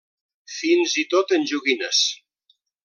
Fins i tot en joguines.